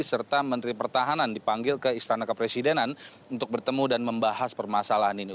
serta menteri pertahanan dipanggil ke istana kepresidenan untuk bertemu dan membahas permasalahan ini